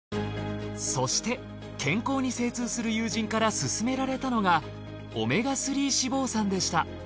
そして健康に精通する友人から進められたのがオメガ３脂肪酸でした。